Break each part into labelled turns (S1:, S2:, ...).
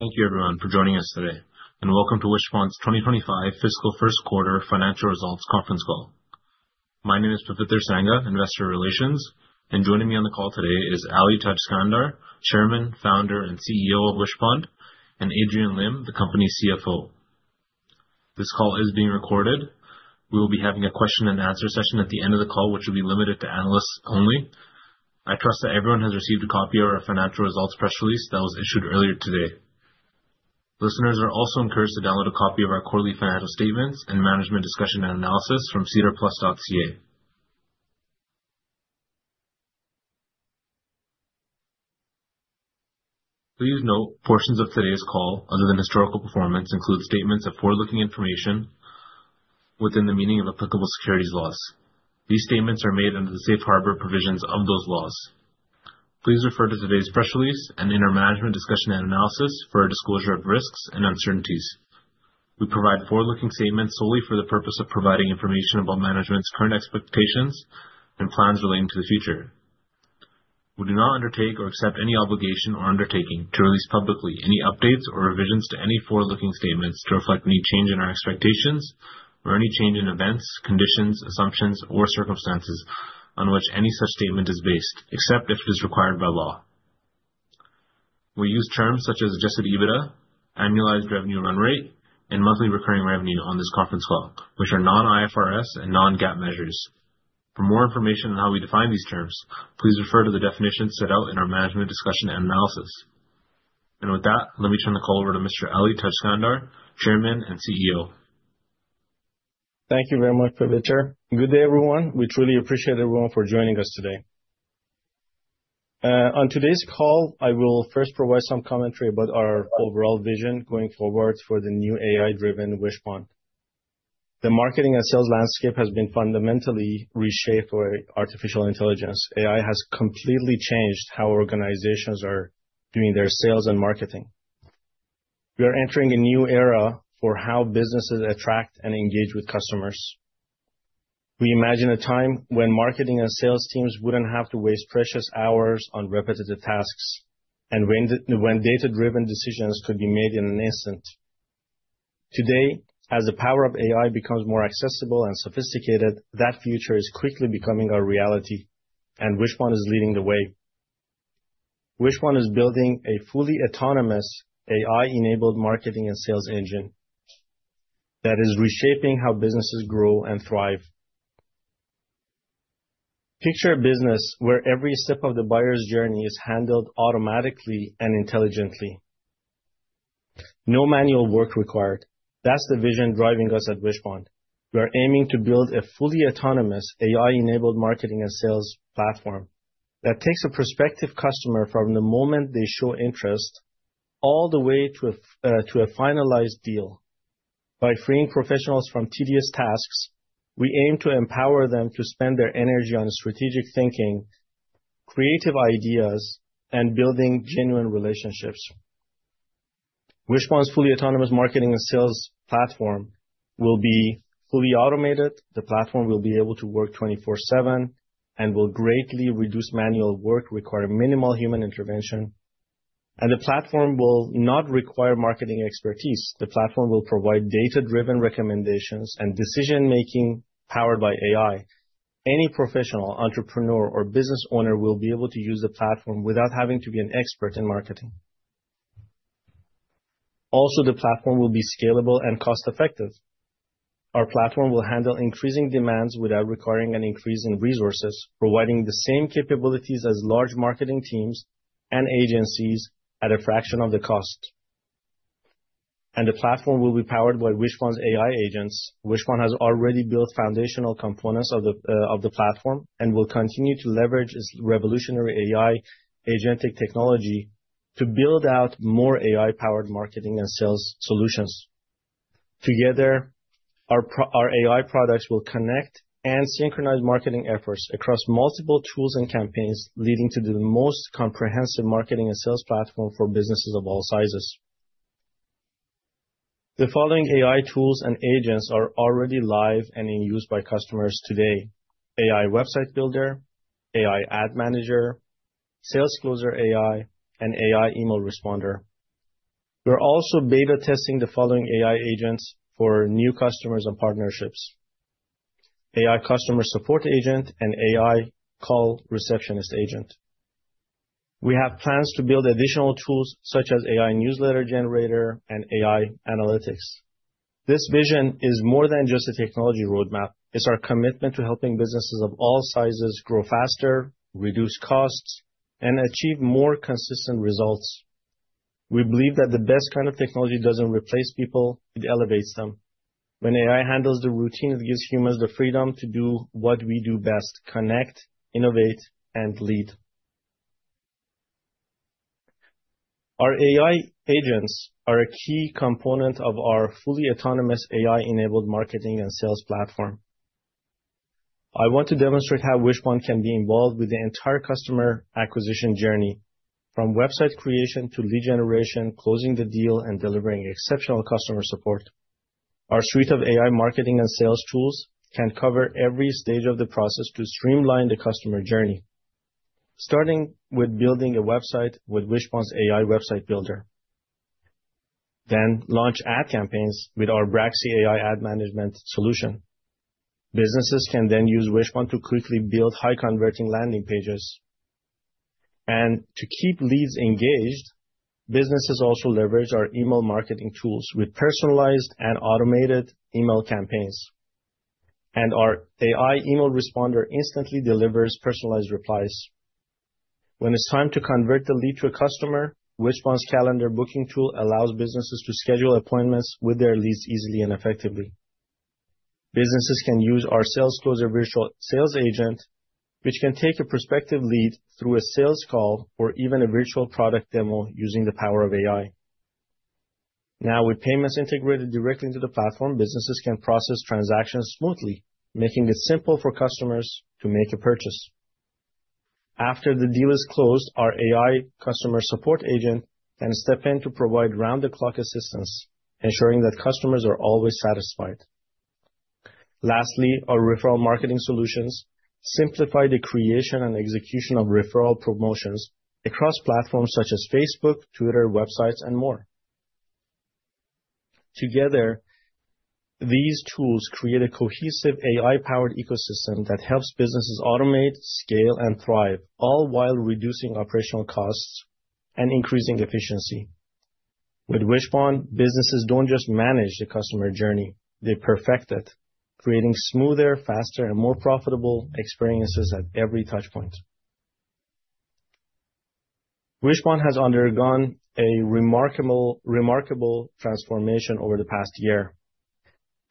S1: Thank you, everyone, for joining us today, and welcome to Wishpond's 2025 Fiscal First Quarter Financial Results Conference Call. My name is Paviter Sangha, Investor Relations, and joining me on the call today is Ali Tajskandar, Chairman, Founder, and CEO of Wishpond, and Adrian Lim, the company's CFO. This call is being recorded. We will be having a question-and-answer session at the end of the call, which will be limited to analysts only. I trust that everyone has received a copy of our financial results press release that was issued earlier today. Listeners are also encouraged to download a copy of our quarterly financial statements and management discussion and analysis from sedarplus.ca. Please note portions of today's call, other than historical performance, include statements of forward-looking information within the meaning of applicable securities laws. These statements are made under the safe harbor provisions of those laws. Please refer to today's press release and in our management discussion and analysis for a disclosure of risks and uncertainties. We provide forward-looking statements solely for the purpose of providing information about management's current expectations and plans relating to the future. We do not undertake or accept any obligation or undertaking to release publicly any updates or revisions to any forward-looking statements to reflect any change in our expectations or any change in events, conditions, assumptions, or circumstances on which any such statement is based, except if it is required by law. We use terms such as adjusted EBITDA, annualized Revenue Run Rate, and Monthly Recurring Revenue on this conference call, which are non-IFRS and non-GAAP measures. For more information on how we define these terms, please refer to the definitions set out in our management discussion and analysis. With that, let me turn the call over to Mr. Ali Tajskandar, Chairman and CEO.
S2: Thank you very much, Paviter. Good day, everyone. We truly appreciate everyone for joining us today. On today's call, I will first provide some commentary about our overall vision going forward for the new AI-driven Wishpond. The marketing and sales landscape has been fundamentally reshaped by artificial intelligence. AI has completely changed how organizations are doing their sales and marketing. We are entering a new era for how businesses attract and engage with customers. We imagine a time when marketing and sales teams would not have to waste precious hours on repetitive tasks and when data-driven decisions could be made in an instant. Today, as the power of AI becomes more accessible and sophisticated, that future is quickly becoming our reality, and Wishpond is leading the way. Wishpond is building a fully autonomous AI-enabled marketing and sales engine that is reshaping how businesses grow and thrive. Picture a business where every step of the buyer's journey is handled automatically and intelligently. No manual work required. That's the vision driving us at Wishpond. We are aiming to build a fully autonomous AI-enabled marketing and sales platform that takes a prospective customer from the moment they show interest all the way to a finalized deal. By freeing professionals from tedious tasks, we aim to empower them to spend their energy on strategic thinking, creative ideas, and building genuine relationships. Wishpond's fully autonomous marketing and sales platform will be fully automated. The platform will be able to work 24/7 and will greatly reduce manual work, require minimal human intervention, and the platform will not require marketing expertise. The platform will provide data-driven recommendations and decision-making powered by AI. Any professional, entrepreneur, or business owner will be able to use the platform without having to be an expert in marketing. Also, the platform will be scalable and cost-effective. Our platform will handle increasing demands without requiring an increase in resources, providing the same capabilities as large marketing teams and agencies at a fraction of the cost. The platform will be powered by Wishpond's AI agents. Wishpond has already built foundational components of the platform and will continue to leverage its revolutionary AI agentic technology to build out more AI-powered marketing and sales solutions. Together, our AI products will connect and synchronize marketing efforts across multiple tools and campaigns, leading to the most comprehensive marketing and sales platform for businesses of all sizes. The following AI tools and agents are already live and in use by customers today: AI Website Builder, AI Ad Manager, SalesCloser AI, and AI Email Responder. We're also beta testing the following AI agents for new customers and partnerships: AI Customer Support Agent and AI Call Receptionist Agent. We have plans to build additional tools such as AI Newsletter Generator and AI Analytics. This vision is more than just a technology roadmap. It's our commitment to helping businesses of all sizes grow faster, reduce costs, and achieve more consistent results. We believe that the best kind of technology doesn't replace people; it elevates them. When AI handles the routine, it gives humans the freedom to do what we do best: connect, innovate, and lead. Our AI agents are a key component of our fully autonomous AI-enabled marketing and sales platform. I want to demonstrate how Wishpond can be involved with the entire customer acquisition journey, from website creation to lead generation, closing the deal, and delivering exceptional customer support. Our suite of AI marketing and sales tools can cover every stage of the process to streamline the customer journey, starting with building a website with Wishpond's AI Website Builder, then launch ad campaigns with our Braxy AI ad management solution. Businesses can then use Wishpond to quickly build high-converting landing pages. To keep leads engaged, businesses also leverage our email marketing tools with personalized and automated email campaigns. Our AI Email Responder instantly delivers personalized replies. When it's time to convert the lead to a customer, Wishpond's Calendar Booking Tool allows businesses to schedule appointments with their leads easily and effectively. Businesses can use our SalesCloser Virtual Sales Agent, which can take a prospective lead through a sales call or even a virtual product demo using the power of AI. Now, with payments integrated directly into the platform, businesses can process transactions smoothly, making it simple for customers to make a purchase. After the deal is closed, our AI Customer Support Agent can step in to provide round-the-clock assistance, ensuring that customers are always satisfied. Lastly, our Referral marketing solutions simplify the creation and execution of referral promotions across platforms such as Facebook, Twitter, websites, and more. Together, these tools create a cohesive AI-powered ecosystem that helps businesses automate, scale, and thrive, all while reducing operational costs and increasing efficiency. With Wishpond, businesses don't just manage the customer journey; they perfect it, creating smoother, faster, and more profitable experiences at every touchpoint. Wishpond has undergone a remarkable transformation over the past year.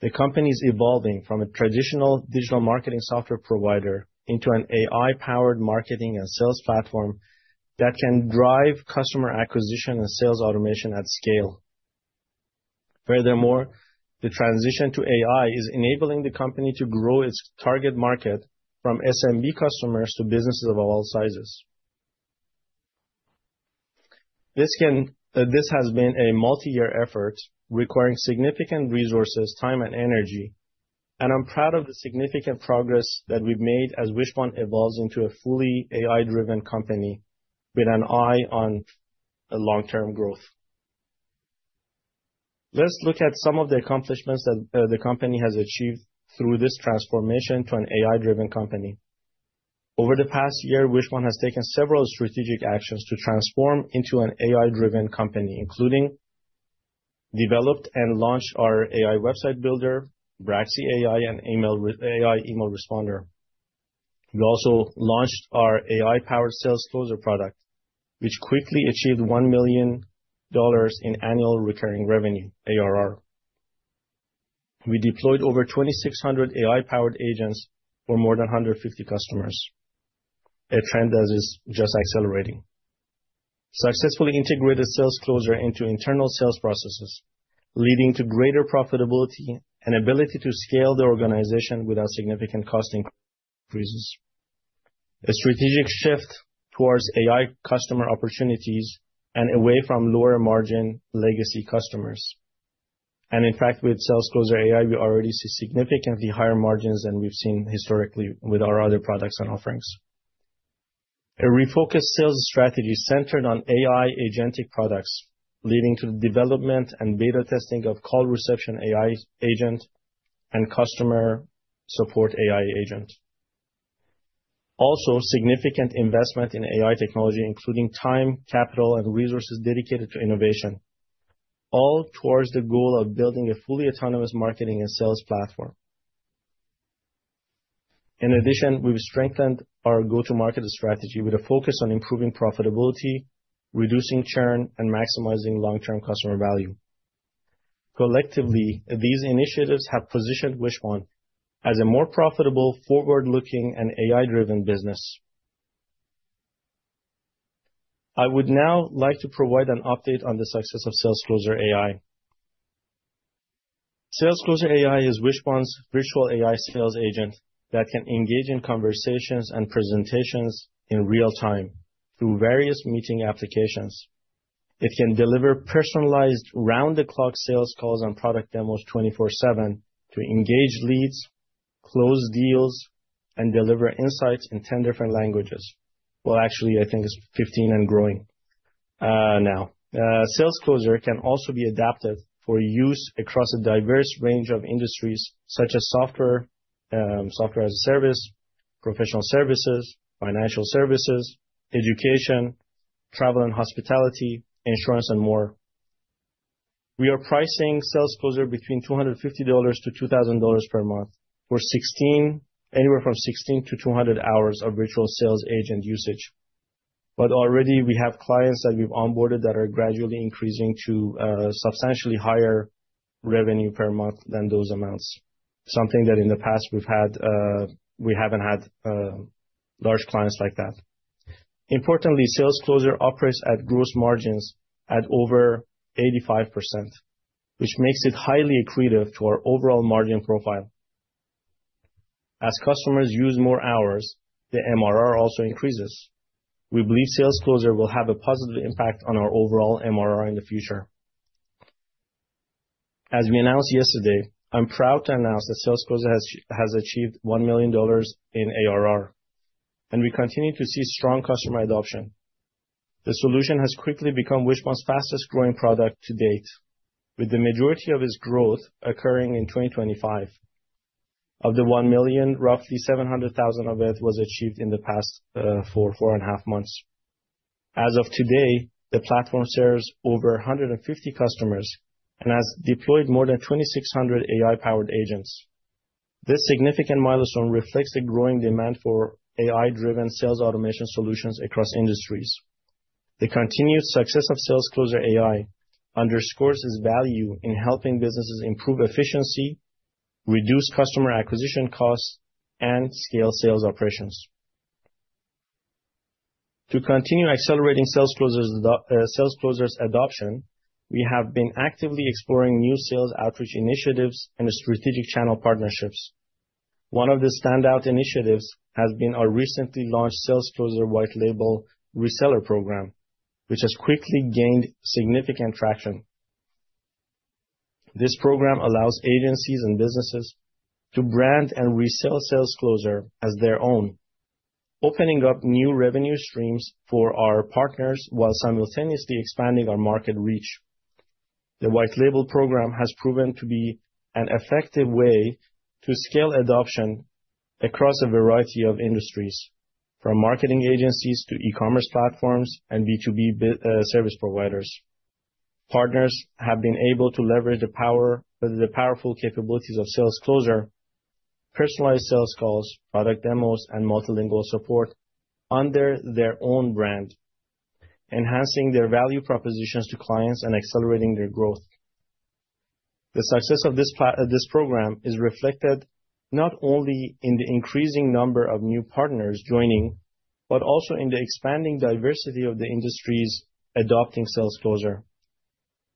S2: The company is evolving from a traditional digital marketing software provider into an AI-powered marketing and sales platform that can drive customer acquisition and sales automation at scale. Furthermore, the transition to AI is enabling the company to grow its target market from SMB customers to businesses of all sizes. This has been a multi-year effort requiring significant resources, time, and energy. I am proud of the significant progress that we have made as Wishpond evolves into a fully AI-driven company with an eye on long-term growth. Let's look at some of the accomplishments that the company has achieved through this transformation to an AI-driven company. Over the past year, Wishpond has taken several strategic actions to transform into an AI-driven company, including developing and launching our AI Website Builder, Braxy AI, and AI Email Responder. We also launched our AI-powered SalesCloser product, which quickly achieved $1 million in Annual Recurring Revenue, ARR. We deployed over 2,600 AI-powered agents for more than 150 customers, a trend that is just accelerating. Successfully integrated SalesCloser into internal sales processes, leading to greater profitability and ability to scale the organization without significant cost increases. A strategic shift towards AI customer opportunities and away from lower-margin legacy customers. In fact, with SalesCloser AI, we already see significantly higher margins than we've seen historically with our other products and offerings. A refocused sales strategy centered on AI agentic products, leading to the development and beta testing of AI Call Receptionist Agent and AI Customer Support Agent. Also, significant investment in AI technology, including time, capital, and resources dedicated to innovation, all towards the goal of building a fully autonomous marketing and sales platform. In addition, we've strengthened our go-to-market strategy with a focus on improving profitability, reducing churn, and maximizing long-term customer value. Collectively, these initiatives have positioned Wishpond as a more profitable, forward-looking, and AI-driven business. I would now like to provide an update on the success of SalesCloser AI. SalesCloser AI is Wishpond's virtual AI sales agent that can engage in conversations and presentations in real time through various meeting applications. It can deliver personalized, round-the-clock sales calls and product demos 24/7 to engage leads, close deals, and deliver insights in 10 different languages. Actually, I think it's 15 and growing now. SalesCloser can also be adapted for use across a diverse range of industries such as software as a service, professional services, financial services, education, travel and hospitality, insurance, and more. We are pricing SalesCloser between 250-2,000 dollars per month for anywhere from 16-200 hours of virtual sales agent usage. Already, we have clients that we've onboarded that are gradually increasing to substantially higher revenue per month than those amounts, something that in the past we haven't had large clients like that. Importantly, SalesCloser AI operates at gross margins at over 85%, which makes it highly accretive to our overall margin profile. As customers use more hours, the MRR also increases. We believe SalesCloser will have a positive impact on our overall MRR in the future. As we announced yesterday, I'm proud to announce that SalesCloser has achieved $1 million in ARR, and we continue to see strong customer adoption. The solution has quickly become Wishpond's fastest-growing product to date, with the majority of its growth occurring in 2025. Of the $1 million, roughly $700,000 of it was achieved in the past four and a half months. As of today, the platform serves over 150 customers and has deployed more than 2,600 AI-powered agents. This significant milestone reflects the growing demand for AI-driven sales automation solutions across industries. The continued success of SalesCloser AI underscores its value in helping businesses improve efficiency, reduce customer acquisition costs, and scale sales operations. To continue accelerating SalesCloser's adoption, we have been actively exploring new sales outreach initiatives and strategic channel partnerships. One of the standout initiatives has been our recently launched SalesCloser White-Label Reseller Program, which has quickly gained significant traction. This program allows agencies and businesses to brand and resell SalesCloser as their own, opening up new revenue streams for our partners while simultaneously expanding our market reach. The White-Label Program has proven to be an effective way to scale adoption across a variety of industries, from marketing agencies to e-commerce platforms and B2B service providers. Partners have been able to leverage the power of the powerful capabilities of SalesCloser, personalized sales calls, product demos, and multilingual support under their own brand, enhancing their value propositions to clients and accelerating their growth. The success of this program is reflected not only in the increasing number of new partners joining, but also in the expanding diversity of the industries adopting SalesCloser.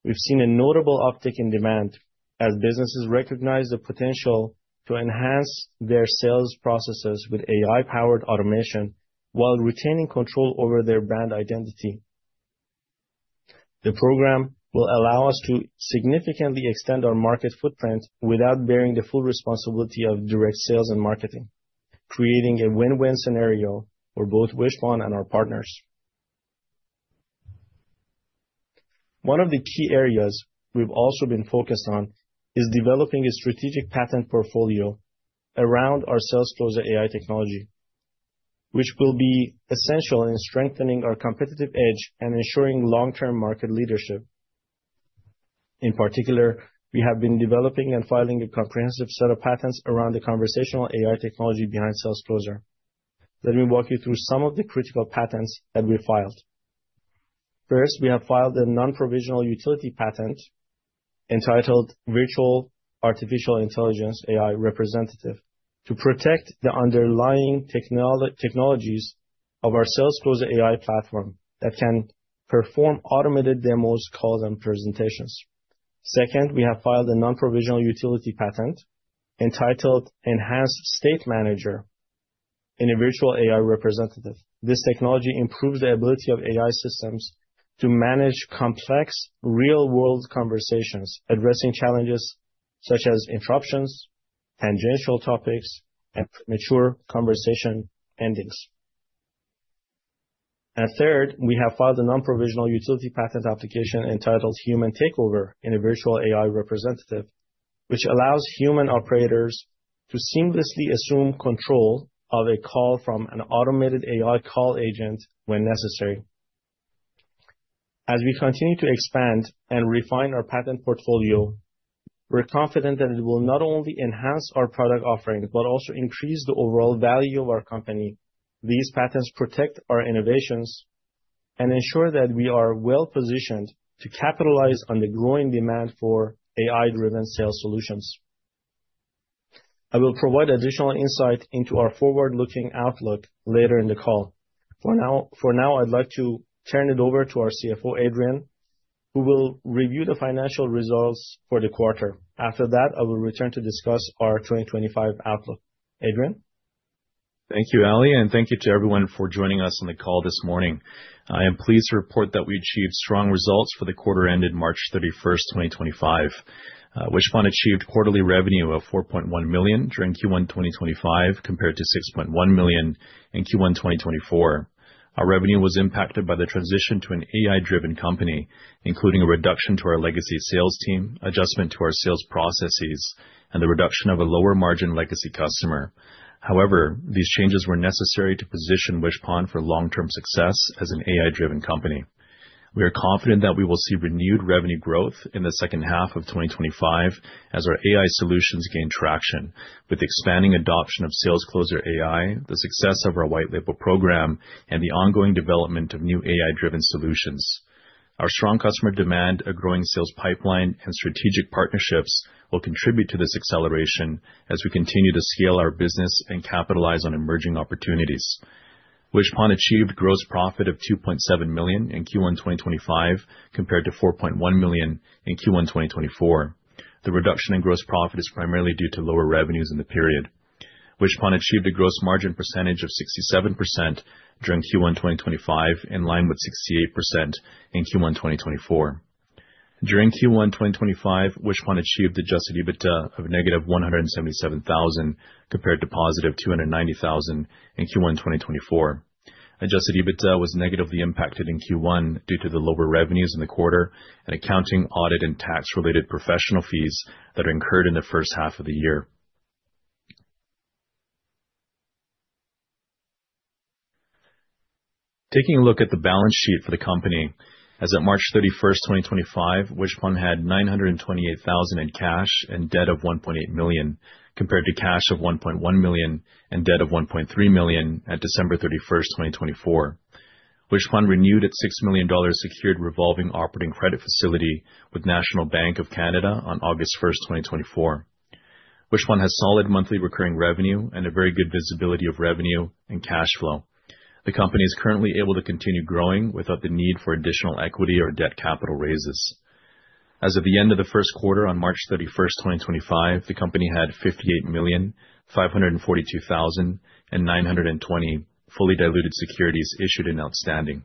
S2: We've seen a notable uptick in demand as businesses recognize the potential to enhance their sales processes with AI-powered automation while retaining control over their brand identity. The program will allow us to significantly extend our market footprint without bearing the full responsibility of direct sales and marketing, creating a win-win scenario for both Wishpond and our partners. One of the key areas we've also been focused on is developing a strategic patent portfolio around our SalesCloser AI technology, which will be essential in strengthening our competitive edge and ensuring long-term market leadership. In particular, we have been developing and filing a comprehensive set of patents around the conversational AI technology behind SalesCloser. Let me walk you through some of the critical patents that we filed. First, we have filed a non-provisional utility patent entitled Virtual AI Representative to protect the underlying technologies of our SalesCloser AI platform that can perform automated demos, calls, and presentations. Second, we have filed a non-provisional utility patent entitled Enhanced State Manager in a Virtual AI Representative. This technology improves the ability of AI systems to manage complex real-world conversations, addressing challenges such as interruptions, tangential topics, and premature conversation endings. Third, we have filed a non-provisional utility patent application entitled Human Takeover in a Virtual AI Representative, which allows human operators to seamlessly assume control of a call from an automated AI call agent when necessary. As we continue to expand and refine our patent portfolio, we're confident that it will not only enhance our product offering, but also increase the overall value of our company. These patents protect our innovations and ensure that we are well-positioned to capitalize on the growing demand for AI-driven sales solutions. I will provide additional insight into our forward-looking outlook later in the call. For now, I'd like to turn it over to our CFO, Adrian, who will review the financial results for the quarter. After that, I will return to discuss our 2025 outlook. Adrian?
S3: Thank you, Ali, and thank you to everyone for joining us on the call this morning. I am pleased to report that we achieved strong results for the quarter ended March 31st, 2025. Wishpond achieved quarterly revenue of 4.1 million during Q1 2025 compared to 6.1 million in Q1 2024. Our revenue was impacted by the transition to an AI-driven company, including a reduction to our legacy sales team, adjustment to our sales processes, and the reduction of a lower-margin legacy customer. However, these changes were necessary to position Wishpond for long-term success as an AI-driven company. We are confident that we will see renewed revenue growth in the second half of 2025 as our AI solutions gain traction with the expanding adoption of SalesCloser AI, the success of our White-Label Program, and the ongoing development of new AI-driven solutions. Our strong customer demand, a growing sales pipeline, and strategic partnerships will contribute to this acceleration as we continue to scale our business and capitalize on emerging opportunities. Wishpond achieved gross profit of 2.7 million in Q1 2025 compared to 4.1 million in Q1 2024. The reduction in gross profit is primarily due to lower revenues in the period. Wishpond achieved a gross margin percentage of 67% during Q1 2025, in line with 68% in Q1 2024. During Q1 2025, Wishpond achieved adjusted EBITDA of -177,000 compared to +290,000 in Q1 2024. Adjusted EBITDA was negatively impacted in Q1 due to the lower revenues in the quarter and accounting, audit, and tax-related professional fees that occurred in the first half of the year. Taking a look at the balance sheet for the company, as of March 31st, 2025, Wishpond had 928,000 in cash and debt of 1.8 million compared to cash of 1.1 million and debt of 1.3 million at December 31st, 2024. Wishpond renewed its CAD 6 million secured revolving operating credit facility with National Bank of Canada on August 1st, 2024. Wishpond has solid monthly recurring revenue and a very good visibility of revenue and cash flow. The company is currently able to continue growing without the need for additional equity or debt capital raises. As of the end of the first quarter on March 31st, 2025, the company had 58,542,920 fully diluted securities issued and outstanding.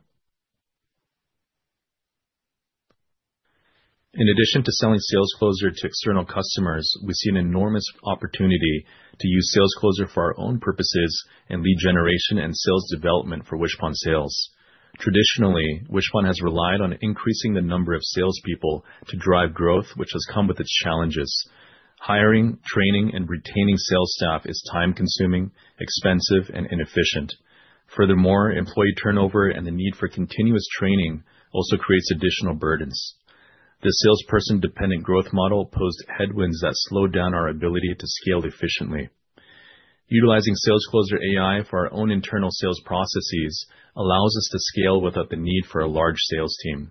S3: In addition to selling SalesCloser to external customers, we see an enormous opportunity to use SalesCloser for our own purposes and lead generation and sales development for Wishpond sales. Traditionally, Wishpond has relied on increasing the number of salespeople to drive growth, which has come with its challenges. Hiring, training, and retaining sales staff is time-consuming, expensive, and inefficient. Furthermore, employee turnover and the need for continuous training also creates additional burdens. The salesperson-dependent growth model posed headwinds that slowed down our ability to scale efficiently. Utilizing SalesCloser AI for our own internal sales processes allows us to scale without the need for a large sales team.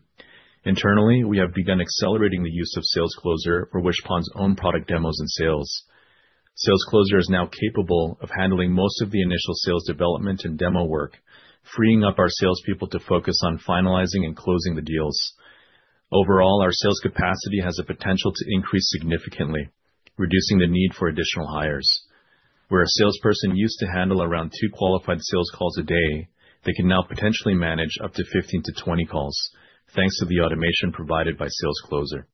S3: Internally, we have begun accelerating the use of SalesCloser for Wishpond's own product demos and sales. SalesCloser is now capable of handling most of the initial sales development and demo work, freeing up our salespeople to focus on finalizing and closing the deals. Overall, our sales capacity has the potential to increase significantly, reducing the need for additional hires. Where a salesperson used to handle around two qualified sales calls a day, they can now potentially manage up to 15-20 calls, thanks to the automation provided by SalesCloser.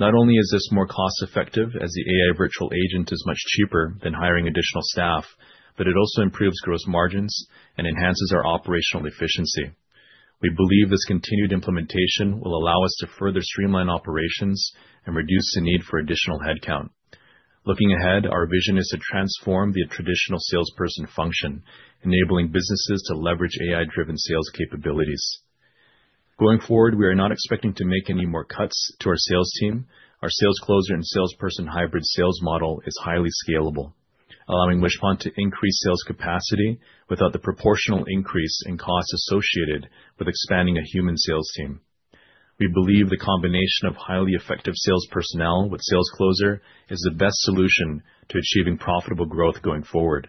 S3: Not only is this more cost-effective as the AI virtual agent is much cheaper than hiring additional staff, but it also improves gross margins and enhances our operational efficiency. We believe this continued implementation will allow us to further streamline operations and reduce the need for additional headcount. Looking ahead, our vision is to transform the traditional salesperson function, enabling businesses to leverage AI-driven sales capabilities. Going forward, we are not expecting to make any more cuts to our sales team. Our SalesCloser and salesperson hybrid sales model is highly scalable, allowing Wishpond to increase sales capacity without the proportional increase in costs associated with expanding a human sales team. We believe the combination of highly effective sales personnel with SalesCloser is the best solution to achieving profitable growth going forward.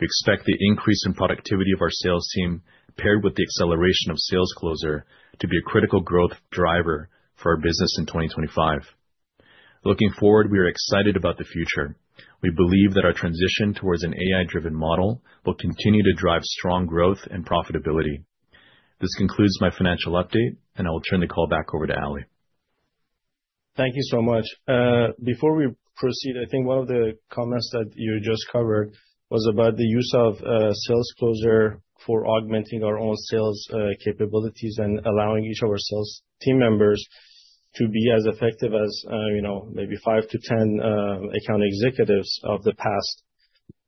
S3: We expect the increase in productivity of our sales team, paired with the acceleration of SalesCloser, to be a critical growth driver for our business in 2025. Looking forward, we are excited about the future. We believe that our transition towards an AI-driven model will continue to drive strong growth and profitability. This concludes my financial update, and I will turn the call back over to Ali.
S2: Thank you so much. Before we proceed, I think one of the comments that you just covered was about the use of SalesCloser AI for augmenting our own sales capabilities and allowing each of our sales team members to be as effective as maybe five to 10 account executives of the past.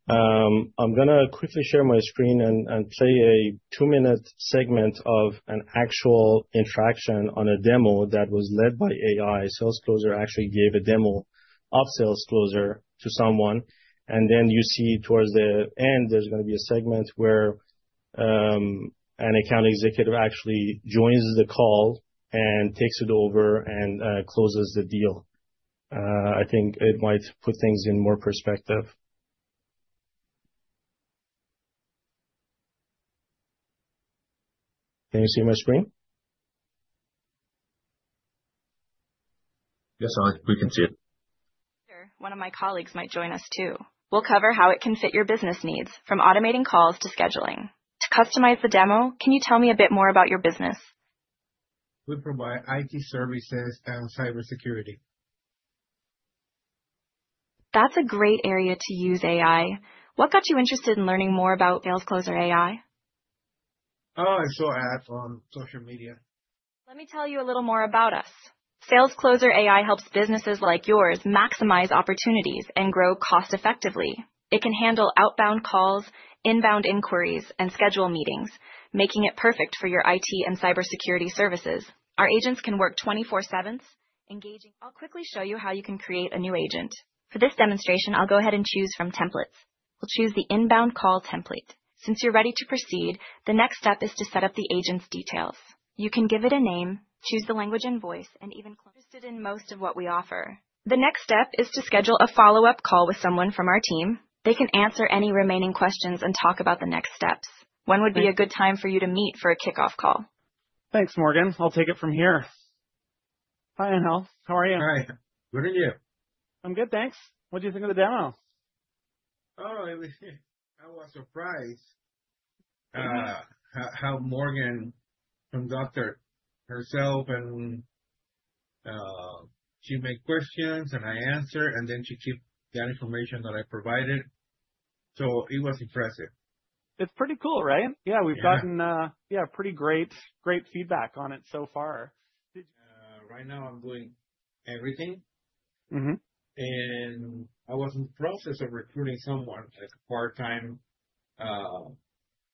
S2: I'm going to quickly share my screen and play a two-minute segment of an actual interaction on a demo that was led by AI. SalesCloser AI actually gave a demo of SalesCloser AI to someone. And then you see towards the end, there's going to be a segment where an account executive actually joins the call and takes it over and closes the deal. I think it might put things in more perspective. Can you see my screen?
S3: Yes, Ali, we can see it.
S4: Sure. One of my colleagues might join us too. We'll cover how it can fit your business needs, from automating calls to scheduling. To customize the demo, can you tell me a bit more about your business?
S5: We provide IT services and cybersecurity.
S4: That's a great area to use AI. What got you interested in learning more about SalesCloser AI?
S5: I saw ads on social media.
S4: Let me tell you a little more about us. SalesCloser AI helps businesses like yours maximize opportunities and grow cost-effectively. It can handle outbound calls, inbound inquiries, and schedule meetings, making it perfect for your IT and cybersecurity services. Our agents can work 24/7, engaging. I'll quickly show you how you can create a new agent. For this demonstration, I'll go ahead and choose from templates. We'll choose the inbound call template. Since you're ready to proceed, the next step is to set up the agent's details. You can give it a name, choose the language and voice, and even click "Interested in most of what we offer." The next step is to schedule a follow-up call with someone from our team. They can answer any remaining questions and talk about the next steps. When would be a good time for you to meet for a kickoff call?
S6: Thanks, Morgan. I'll take it from here. Hi, Anil. How are you?
S5: Hi. Good and you?
S6: I'm good, thanks. What do you think of the demo?
S5: Oh, it was a surprise. How Morgan conducted herself, and she made questions, and I answered, and then she kept that information that I provided. It was impressive.
S6: It's pretty cool, right? Yeah, we've gotten pretty great feedback on it so far.
S5: Right now, I'm doing everything. I was in the process of recruiting someone as a part-time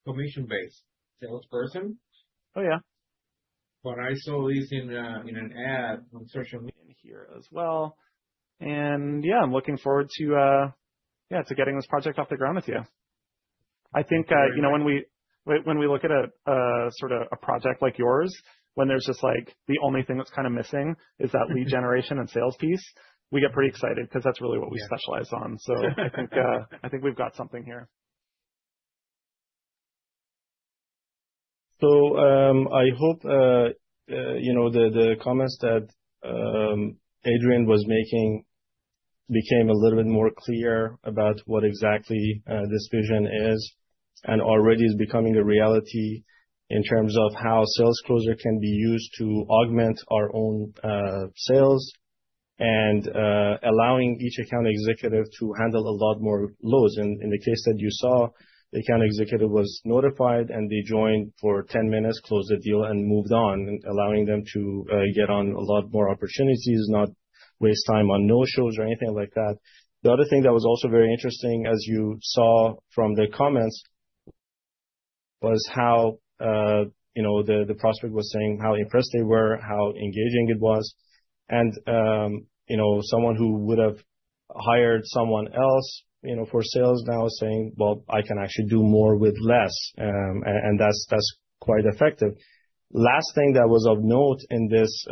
S5: commission-based salesperson.
S6: Oh, yeah.
S5: I saw this in an ad on social.
S6: In here as well. Yeah, I'm looking forward to, yeah, to getting this project off the ground with you. I think when we look at a sort of a project like yours, when there's just like the only thing that's kind of missing is that lead generation and sales piece, we get pretty excited because that's really what we specialize on. I think we've got something here.
S2: I hope the comments that Adrian was making became a little bit more clear about what exactly this vision is and already is becoming a reality in terms of how SalesCloser can be used to augment our own sales and allowing each account executive to handle a lot more loads. In the case that you saw, the account executive was notified, and they joined for 10 minutes, closed the deal, and moved on, allowing them to get on a lot more opportunities, not waste time on no-shows or anything like that. The other thing that was also very interesting, as you saw from the comments, was how the prospect was saying how impressed they were, how engaging it was. Someone who would have hired someone else for sales now is saying, "Well, I can actually do more with less," and that's quite effective. Last thing that was of note in this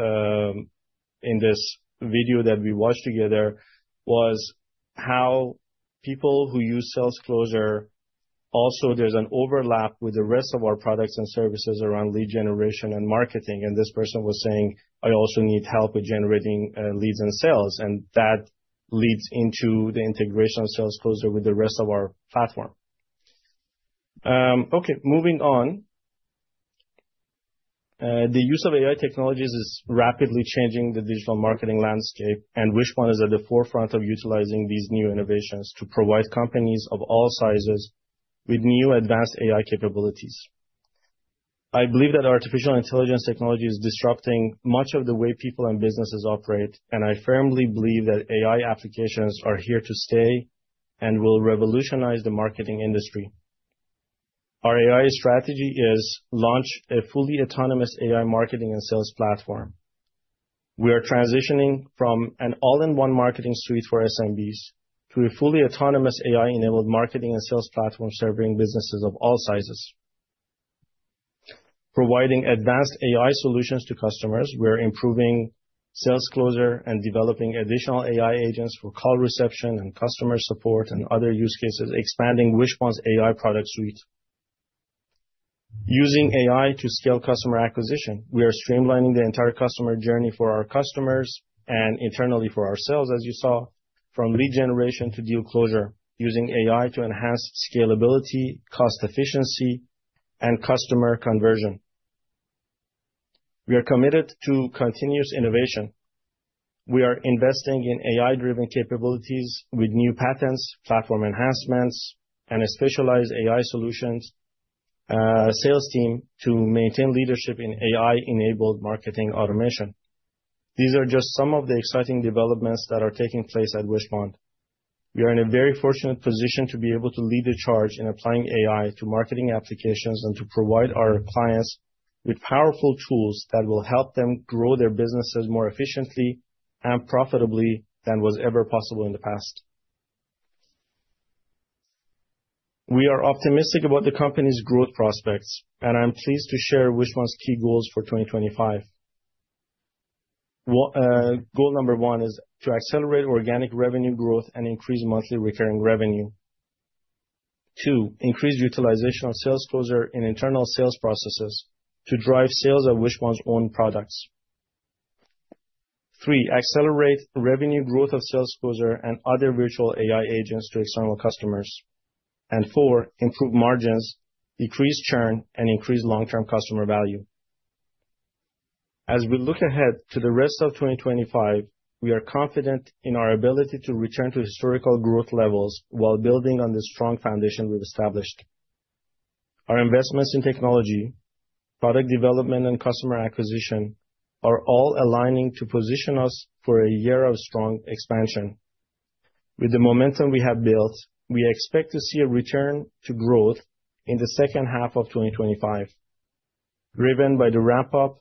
S2: video that we watched together was how people who use SalesCloser also there's an overlap with the rest of our products and services around lead generation and marketing. This person was saying, "I also need help with generating leads and sales," and that leads into the integration of SalesCloser with the rest of our platform. Moving on. The use of AI technologies is rapidly changing the digital marketing landscape, and Wishpond is at the forefront of utilizing these new innovations to provide companies of all sizes with new advanced AI capabilities. I believe that artificial intelligence technology is disrupting much of the way people and businesses operate, and I firmly believe that AI applications are here to stay and will revolutionize the marketing industry. Our AI strategy is to launch a fully autonomous AI marketing and sales platform. We are transitioning from an all-in-one marketing suite for SMBs to a fully autonomous AI-enabled marketing and sales platform serving businesses of all sizes. Providing advanced AI solutions to customers, we are improving SalesCloser and developing additional AI agents for call reception and customer support and other use cases, expanding Wishpond's AI product suite. Using AI to scale customer acquisition, we are streamlining the entire customer journey for our customers and internally for ourselves, as you saw, from lead generation to deal closure, using AI to enhance scalability, cost efficiency, and customer conversion. We are committed to continuous innovation. We are investing in AI-driven capabilities with new patents, platform enhancements, and specialized AI solutions. Sales team to maintain leadership in AI-enabled marketing automation. These are just some of the exciting developments that are taking place at Wishpond. We are in a very fortunate position to be able to lead the charge in applying AI to marketing applications and to provide our clients with powerful tools that will help them grow their businesses more efficiently and profitably than was ever possible in the past. We are optimistic about the company's growth prospects, and I'm pleased to share Wishpond's key goals for 2025. Goal number one is to accelerate organic revenue growth and increase monthly recurring revenue. Two, increase utilization of SalesCloser in internal sales processes to drive sales of Wishpond's own products. Three, accelerate revenue growth of SalesCloser and other virtual AI agents to external customers. Four, improve margins, decrease churn, and increase long-term customer value. As we look ahead to the rest of 2025, we are confident in our ability to return to historical growth levels while building on the strong foundation we've established. Our investments in technology, product development, and customer acquisition are all aligning to position us for a year of strong expansion. With the momentum we have built, we expect to see a return to growth in the second half of 2025, driven by the ramp-up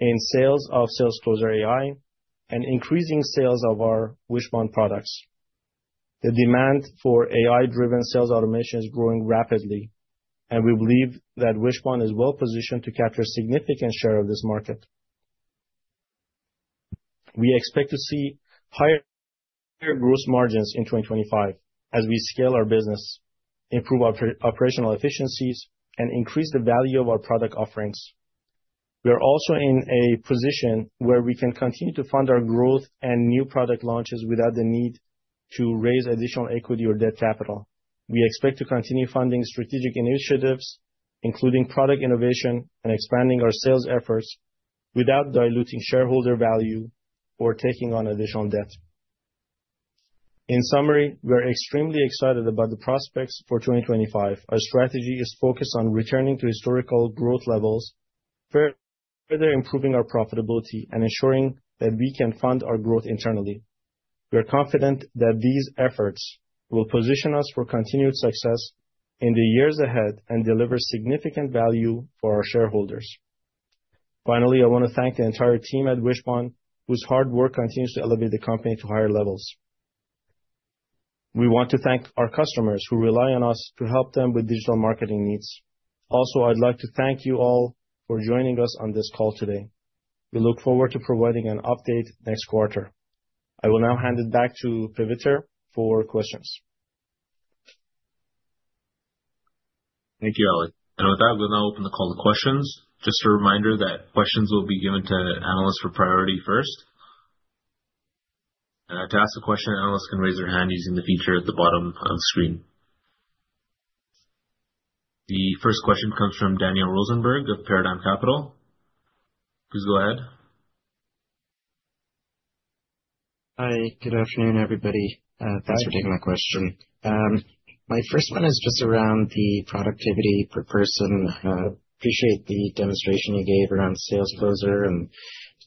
S2: in sales of SalesCloser AI and increasing sales of our Wishpond products. The demand for AI-driven sales automation is growing rapidly, and we believe that Wishpond is well-positioned to capture a significant share of this market. We expect to see higher gross margins in 2025 as we scale our business, improve operational efficiencies, and increase the value of our product offerings. We are also in a position where we can continue to fund our growth and new product launches without the need to raise additional equity or debt capital. We expect to continue funding strategic initiatives, including product innovation and expanding our sales efforts without diluting shareholder value or taking on additional debt. In summary, we are extremely excited about the prospects for 2025. Our strategy is focused on returning to historical growth levels, further improving our profitability, and ensuring that we can fund our growth internally. We are confident that these efforts will position us for continued success in the years ahead and deliver significant value for our shareholders. Finally, I want to thank the entire team at Wishpond, whose hard work continues to elevate the company to higher levels. We want to thank our customers who rely on us to help them with digital marketing needs. Also, I'd like to thank you all for joining us on this call today. We look forward to providing an update next quarter. I will now hand it back to Paviter for questions.
S1: Thank you, Ali. With that, we will now open the call to questions. Just a reminder that questions will be given to analysts for priority first. To ask a question, analysts can raise their hand using the feature at the bottom of the screen. The first question comes from Daniel Rosenberg of Paradigm Capital. Please go ahead.
S7: Hi, good afternoon, everybody. Thanks for taking my question. My first one is just around the productivity per person. I appreciate the demonstration you gave around SalesCloser and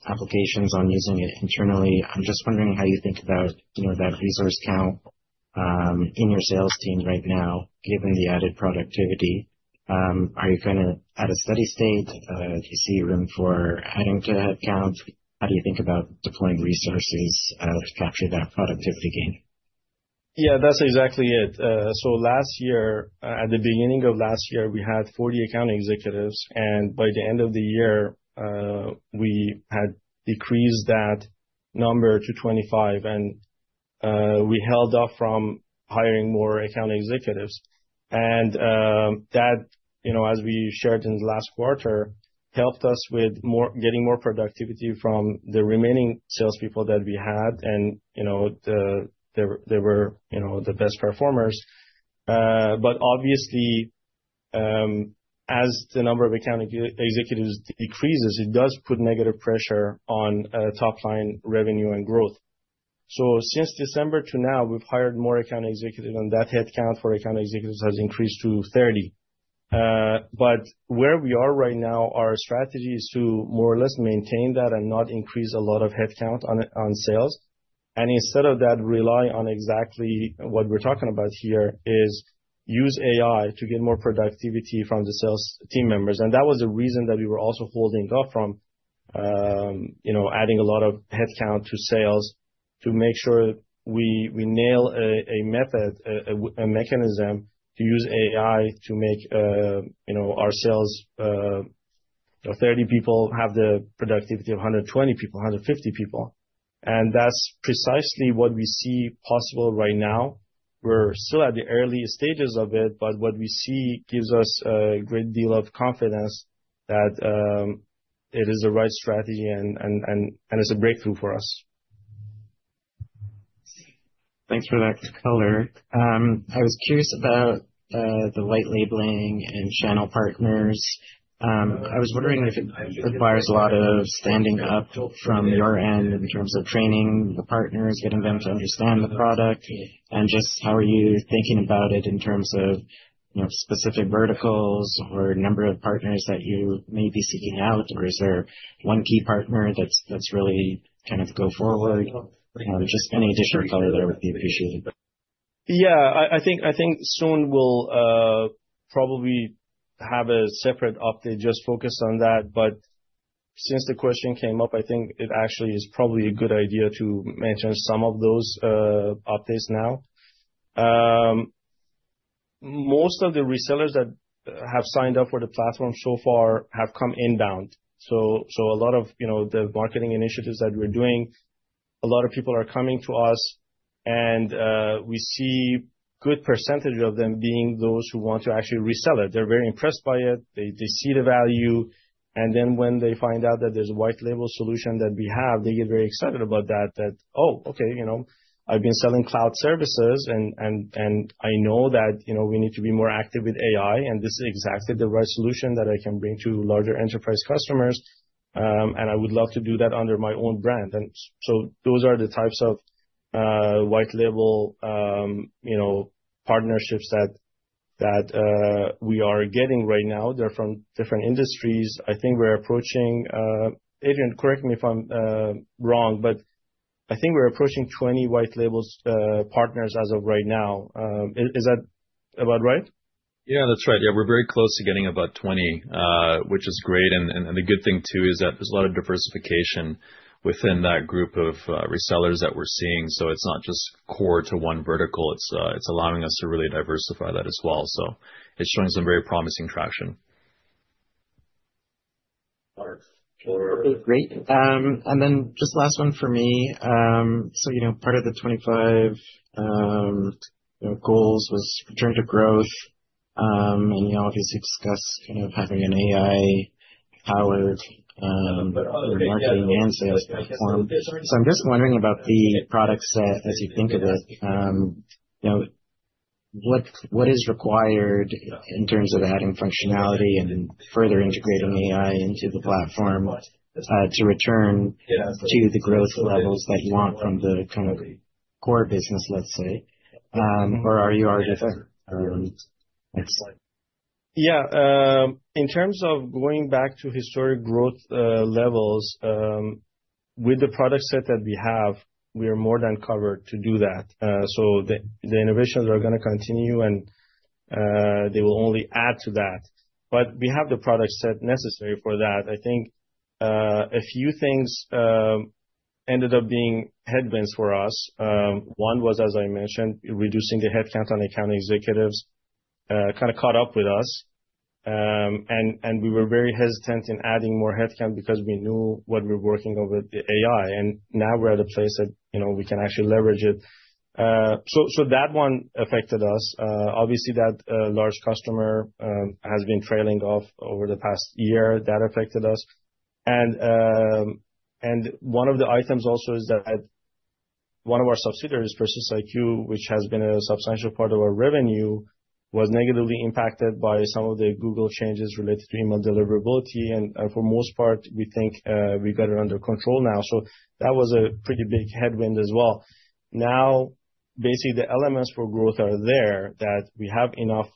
S7: applications on using it internally. I am just wondering how you think about that resource count in your sales team right now, given the added productivity. Are you kind of at a steady state? Do you see room for adding to headcount? How do you think about deploying resources to capture that productivity gain?
S2: Yeah, that's exactly it. Last year, at the beginning of last year, we had 40 account executives, and by the end of the year, we had decreased that number to 25, and we held off from hiring more account executives. That, as we shared in the last quarter, helped us with getting more productivity from the remaining salespeople that we had, and they were the best performers. Obviously, as the number of account executives decreases, it does put negative pressure on top-line revenue and growth. Since December to now, we've hired more account executives, and that headcount for account executives has increased to 30. Where we are right now, our strategy is to more or less maintain that and not increase a lot of headcount on sales. Instead of that, rely on exactly what we're talking about here is use AI to get more productivity from the sales team members. That was the reason that we were also holding off from adding a lot of headcount to sales to make sure we nail a method, a mechanism to use AI to make our sales of 30 people have the productivity of 120 people, 150 people. That's precisely what we see possible right now. We're still at the early stages of it, but what we see gives us a great deal of confidence that it is the right strategy, and it's a breakthrough for us.
S7: Thanks for that color. I was curious about the light labeling and channel partners. I was wondering if it requires a lot of standing up from your end in terms of training the partners, getting them to understand the product, and just how are you thinking about it in terms of specific verticals or number of partners that you may be seeking out, or is there one key partner that's really kind of go forward? Just any additional color there would be appreciated.
S2: Yeah, I think soon we'll probably have a separate update just focused on that. Since the question came up, I think it actually is probably a good idea to mention some of those updates now. Most of the resellers that have signed up for the platform so far have come inbound. A lot of the marketing initiatives that we're doing, a lot of people are coming to us, and we see a good percentage of them being those who want to actually resell it. They're very impressed by it. They see the value. When they find out that there's a White-Label solution that we have, they get very excited about that, that, "Oh, okay, I've been selling cloud services, and I know that we need to be more active with AI, and this is exactly the right solution that I can bring to larger enterprise customers, and I would love to do that under my own brand." Those are the types of white label partnerships that we are getting right now. They're from different industries. I think we're approaching—Adrian, correct me if I'm wrong—but I think we're approaching 20 White-Label partners as of right now. Is that about right?
S3: Yeah, that's right. Yeah, we're very close to getting about 20, which is great. The good thing, too, is that there's a lot of diversification within that group of resellers that we're seeing. It's not just core to one vertical. It's allowing us to really diversify that as well. It's showing some very promising traction.
S7: Perfect. Great. Just last one for me. Part of the 25 goals was return to growth, and you obviously discussed kind of having an AI-powered marketing and sales platform. I'm just wondering about the product set, as you think of it. What is required in terms of adding functionality and further integrating AI into the platform to return to the growth levels that you want from the kind of core business, let's say? Or are you already there?
S2: Yeah. In terms of going back to historic growth levels, with the product set that we have, we are more than covered to do that. The innovations are going to continue, and they will only add to that. We have the product set necessary for that. I think a few things ended up being headwinds for us. One was, as I mentioned, reducing the headcount on account executives kind of caught up with us. We were very hesitant in adding more headcount because we knew what we were working over the AI. Now we're at a place that we can actually leverage it. That one affected us. Obviously, that large customer has been trailing off over the past year. That affected us. One of the items also is that one of our subsidiaries, PersistIQ, which has been a substantial part of our revenue, was negatively impacted by some of the Google changes related to email deliverability. For the most part, we think we got it under control now. That was a pretty big headwind as well. Basically, the elements for growth are there that we have enough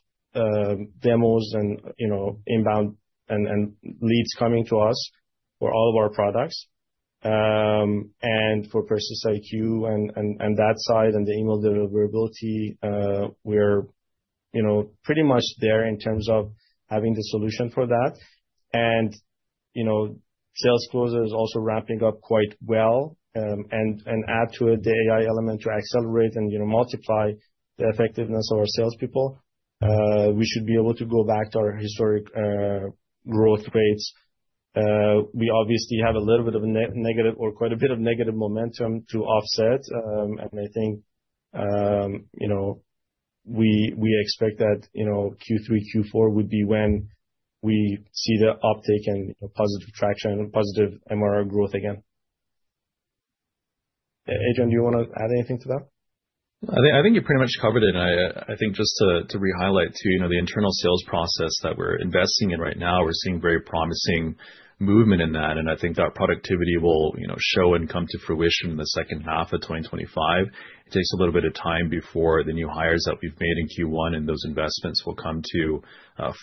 S2: demos and inbound and leads coming to us for all of our products. For PersisIQ and that side and the email deliverability, we're pretty much there in terms of having the solution for that. SalesCloser is also ramping up quite well. Add to it the AI element to accelerate and multiply the effectiveness of our salespeople. We should be able to go back to our historic growth rates. We obviously have a little bit of a negative or quite a bit of negative momentum to offset. I think we expect that Q3, Q4 would be when we see the uptake and positive traction and positive MRR growth again. Adrian, do you want to add anything to that?
S3: I think you pretty much covered it. I think just to re-highlight, too, the internal sales process that we're investing in right now, we're seeing very promising movement in that. I think that productivity will show and come to fruition in the second half of 2025. It takes a little bit of time before the new hires that we've made in Q1 and those investments will come to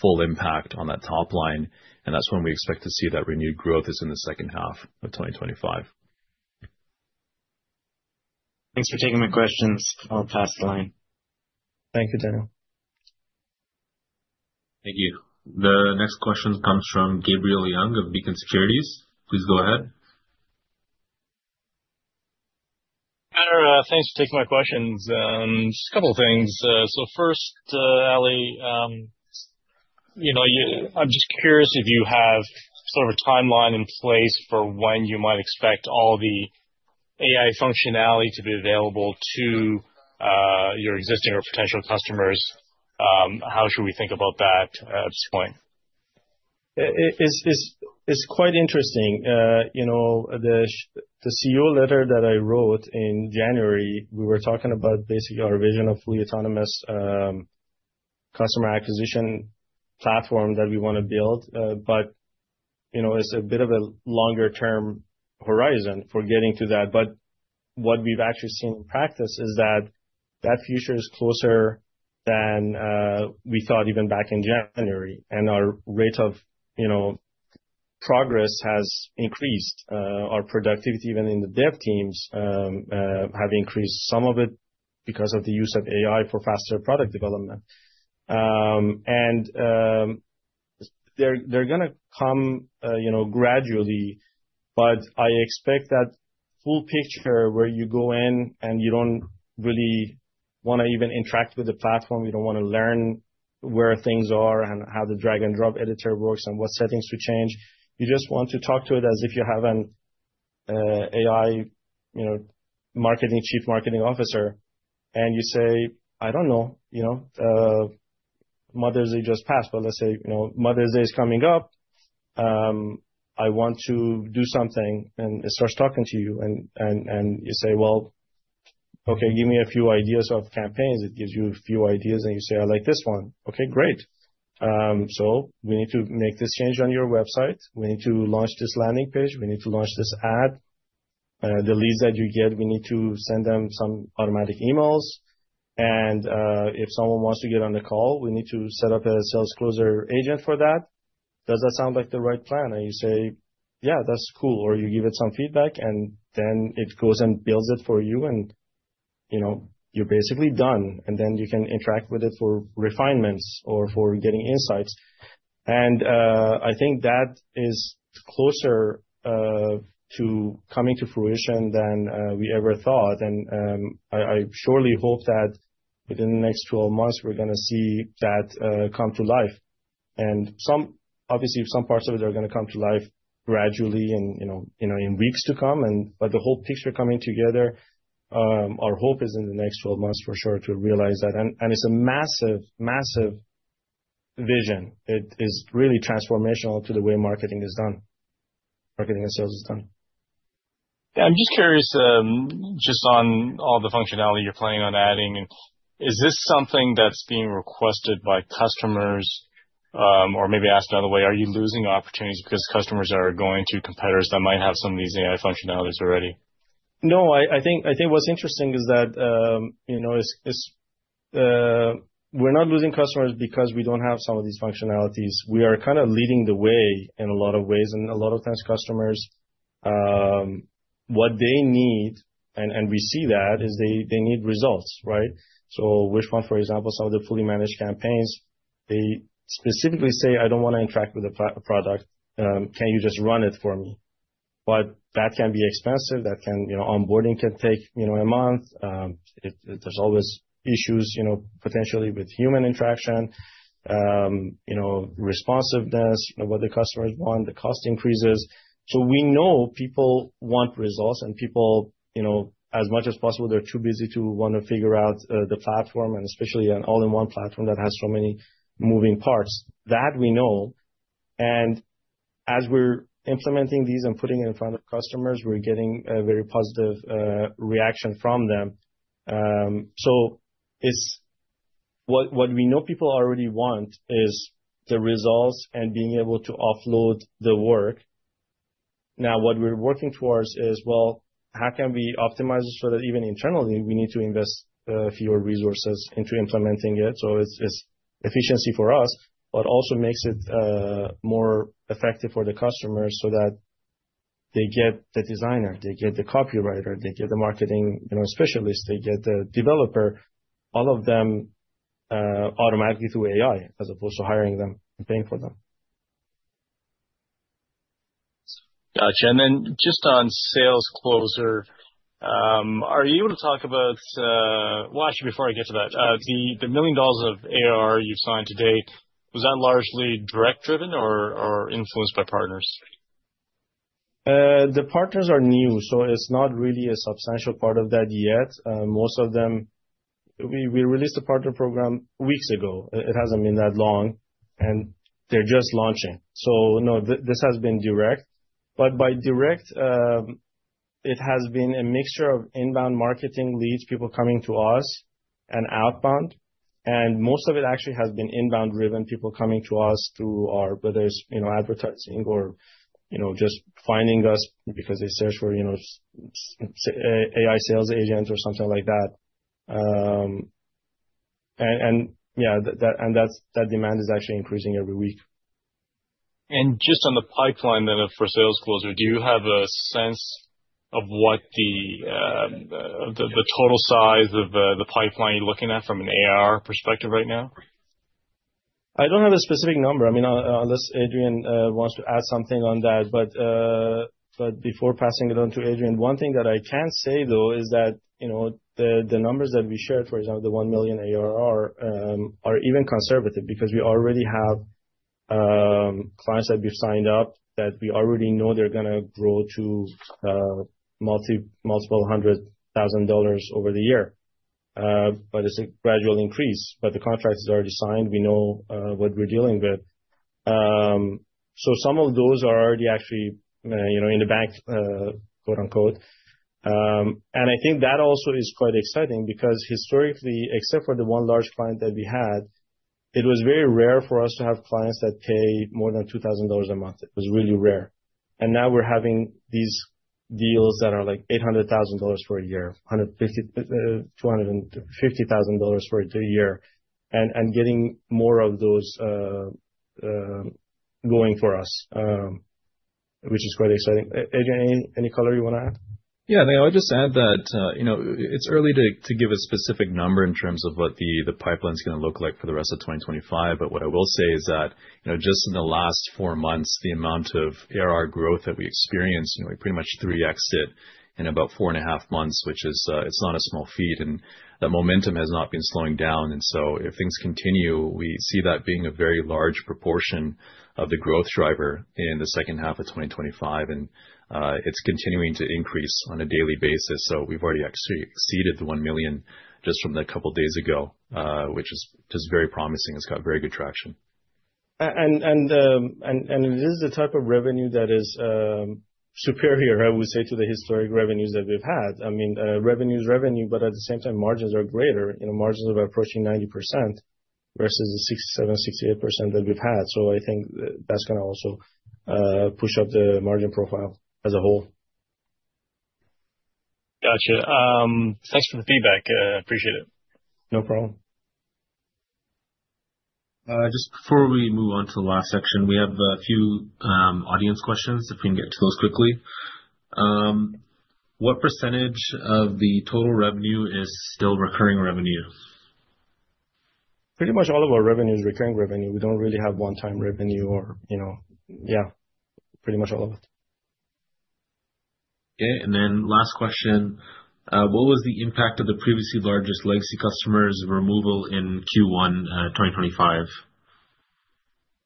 S3: full impact on that top line. That's when we expect to see that renewed growth is in the second half of 2025.
S7: Thanks for taking my questions. I'll pass the line.
S2: Thank you, Daniel.
S1: Thank you. The next question comes from Gabriel Young of Beacon Securities. Please go ahead.
S8: Thanks for taking my questions. Just a couple of things. First, Ali, I'm just curious if you have sort of a timeline in place for when you might expect all the AI functionality to be available to your existing or potential customers. How should we think about that at this point?
S2: It's quite interesting. The CEO letter that I wrote in January, we were talking about basically our vision of fully autonomous customer acquisition platform that we want to build. It's a bit of a longer-term horizon for getting to that. What we've actually seen in practice is that that future is closer than we thought even back in January. Our rate of progress has increased. Our productivity, even in the dev teams, has increased, some of it because of the use of AI for faster product development. They're going to come gradually, but I expect that full picture where you go in and you don't really want to even interact with the platform. You don't want to learn where things are and how the drag-and-drop editor works and what settings to change. You just want to talk to it as if you have an AI marketing chief marketing officer, and you say, "I don't know. Mother's Day just passed, but let's say Mother's Day is coming up. I want to do something." It starts talking to you, and you say, "Okay, give me a few ideas of campaigns." It gives you a few ideas, and you say, "I like this one." Great. We need to make this change on your website. We need to launch this landing page. We need to launch this ad. The leads that you get, we need to send them some automatic emails. If someone wants to get on the call, we need to set up a SalesCloser agent for that. Does that sound like the right plan? You say, "Yeah, that's cool." Or you give it some feedback, and then it goes and builds it for you, and you're basically done. You can interact with it for refinements or for getting insights. I think that is closer to coming to fruition than we ever thought. I surely hope that within the next 12 months, we're going to see that come to life. Obviously, some parts of it are going to come to life gradually and in weeks to come. The whole picture coming together, our hope is in the next 12 months for sure to realize that. It is a massive, massive vision. It is really transformational to the way marketing is done, marketing and sales is done.
S8: Yeah. I'm just curious, just on all the functionality you're planning on adding, is this something that's being requested by customers or maybe asked another way? Are you losing opportunities because customers are going to competitors that might have some of these AI functionalities already?
S2: No, I think what's interesting is that we're not losing customers because we don't have some of these functionalities. We are kind of leading the way in a lot of ways. A lot of times, customers, what they need, and we see that, is they need results, right? For example, some of the fully managed campaigns, they specifically say, "I don't want to interact with the product. Can you just run it for me?" That can be expensive. That onboarding can take a month. There's always issues potentially with human interaction, responsiveness, what the customers want, the cost increases. We know people want results, and people, as much as possible, they're too busy to want to figure out the platform, and especially an all-in-one platform that has so many moving parts. That we know. As we're implementing these and putting it in front of customers, we're getting a very positive reaction from them. What we know people already want is the results and being able to offload the work. Now, what we're working towards is, how can we optimize it so that even internally, we need to invest fewer resources into implementing it? It's efficiency for us, but also makes it more effective for the customers so that they get the designer, they get the copywriter, they get the marketing specialist, they get the developer, all of them automatically through AI as opposed to hiring them and paying for them.
S8: Gotcha. Just on SalesCloser, are you able to talk about—actually, before I get to that, the $1 million of ARR you've signed today, was that largely direct-driven or influenced by partners?
S2: The partners are new, so it's not really a substantial part of that yet. Most of them, we released the partner program weeks ago. It hasn't been that long, and they're just launching. No, this has been direct. By direct, it has been a mixture of inbound marketing leads, people coming to us, and outbound. Most of it actually has been inbound-driven, people coming to us through our—whether it's advertising or just finding us because they search for AI sales agents or something like that. That demand is actually increasing every week.
S8: Just on the pipeline then for SalesCloser, do you have a sense of what the total size of the pipeline you're looking at from an ARR perspective right now?
S2: I don't have a specific number. I mean, unless Adrian wants to add something on that. Before passing it on to Adrian, one thing that I can say, though, is that the numbers that we shared, for example, the 1 million ARR, are even conservative because we already have clients that we've signed up that we already know they're going to grow to multiple hundred thousand dollars over the year. It is a gradual increase. The contract is already signed. We know what we're dealing with. Some of those are already actually in the bank, quote-unquote. I think that also is quite exciting because historically, except for the one large client that we had, it was very rare for us to have clients that pay more than 2,000 dollars a month. It was really rare. Now we're having these deals that are like $800,000 for a year, $250,000 for a year, and getting more of those going for us, which is quite exciting. Adrian, any color you want to add?
S3: Yeah. I'll just add that it's early to give a specific number in terms of what the pipeline is going to look like for the rest of 2025. What I will say is that just in the last four months, the amount of ARR growth that we experienced, we pretty much three-exited in about four and a half months, which is not a small feat. That momentum has not been slowing down. If things continue, we see that being a very large proportion of the growth driver in the second half of 2025. It's continuing to increase on a daily basis. We've already exceeded the $1 million just from a couple of days ago, which is very promising. It's got very good traction.
S2: It is the type of revenue that is superior, I would say, to the historic revenues that we've had. I mean, revenue is revenue, but at the same time, margins are greater. Margins are approaching 90% versus the 67%-68% that we've had. I think that's going to also push up the margin profile as a whole.
S8: Gotcha. Thanks for the feedback. I appreciate it.
S2: No problem.
S1: Just before we move on to the last section, we have a few audience questions if we can get to those quickly. What percentage of the total revenue is still recurring revenue?
S2: Pretty much all of our revenue is recurring revenue. We don't really have one-time revenue or, yeah, pretty much all of it.
S1: Okay. Last question. What was the impact of the previously largest legacy customer's removal in Q1 2025?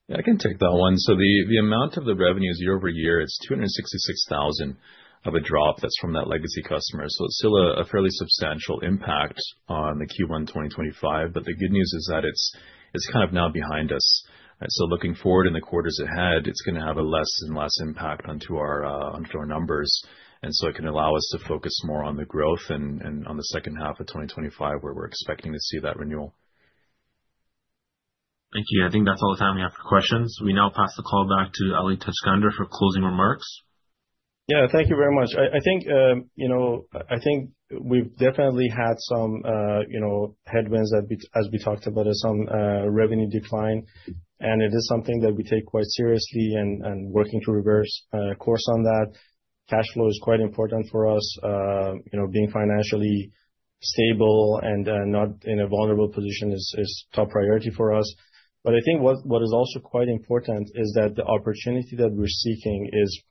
S3: Yeah, I can take that one. The amount of the revenue is year over year. It is 266,000 of a drop that is from that legacy customer. It is still a fairly substantial impact on Q1 2025. The good news is that it is kind of now behind us. Looking forward in the quarters ahead, it is going to have a less and less impact on our numbers. It can allow us to focus more on the growth and on the second half of 2025 where we are expecting to see that renewal.
S1: Thank you. I think that is all the time we have for questions. We now pass the call back to Ali Tajskandar for closing remarks.
S2: Yeah. Thank you very much. I think we've definitely had some headwinds, as we talked about, some revenue decline. It is something that we take quite seriously and are working to reverse course on that. Cash flow is quite important for us. Being financially stable and not in a vulnerable position is top priority for us. I think what is also quite important is that the opportunity that we're seeking is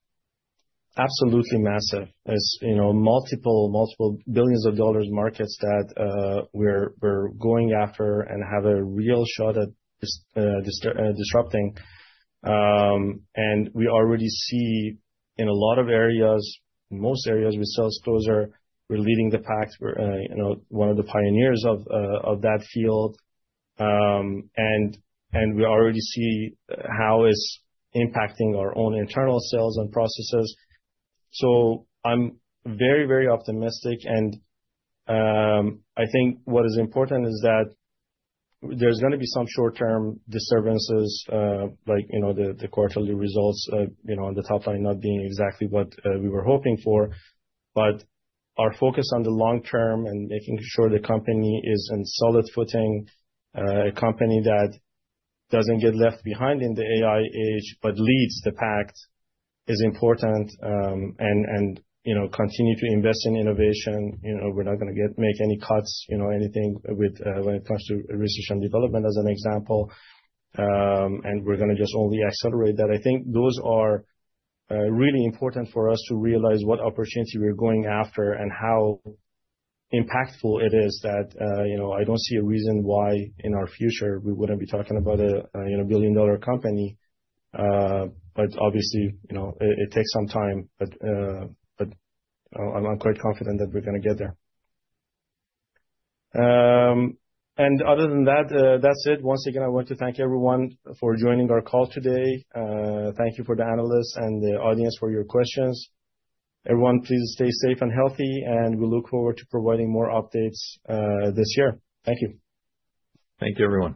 S2: absolutely massive. It's multiple, multiple billions of dollars markets that we're going after and have a real shot at disrupting. We already see in a lot of areas, most areas with SalesCloser, we're leading the pack. We're one of the pioneers of that field. We already see how it's impacting our own internal sales and processes. I am very, very optimistic. I think what is important is that there's going to be some short-term disturbances, like the quarterly results on the top line not being exactly what we were hoping for. Our focus on the long term and making sure the company is in solid footing, a company that doesn't get left behind in the AI age, but leads the pack is important and we continue to invest in innovation. We're not going to make any cuts, anything when it comes to research and development, as an example. We're going to just only accelerate that. I think those are really important for us to realize what opportunity we're going after and how impactful it is that I don't see a reason why in our future we wouldn't be talking about a billion-dollar company. Obviously, it takes some time. I'm quite confident that we're going to get there. Other than that, that's it. Once again, I want to thank everyone for joining our call today. Thank you for the analysts and the audience for your questions. Everyone, please stay safe and healthy, and we look forward to providing more updates this year. Thank you.
S3: Thank you, everyone.